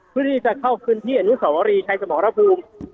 เพื่อที่จะเข้าพื้นที่อนุสวรีชัยสมรภูมิ